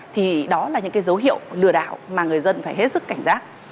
thì đó là những dấu hiệu lừa đảo mà người dân phải hết sức cảnh giác